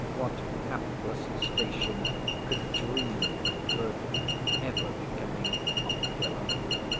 what hapless stationer could dream of Burton ever becoming popular?